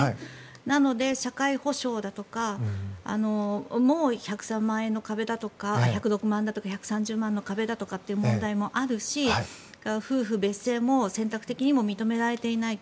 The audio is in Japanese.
なので、社会保障だとかも１０６万円の壁だとか１０６万とか１３０万という壁とかもあるし夫婦別姓も選択的にも認められていないと。